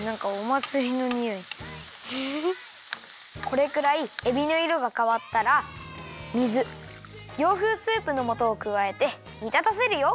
これくらいえびのいろがかわったら水洋風スープのもとをくわえてにたたせるよ。